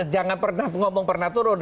jangan pernah ngomong pernah turun